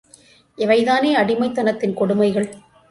இவைதானே அடிமைத் தனத்தின் கொடுமைகள்?